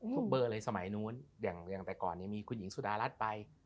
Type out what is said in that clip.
เบอร์เลยสมัยนู้นอย่างแต่ก่อนมีคุณหญิงสุดารัฐไป